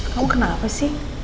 kamu kenal apa sih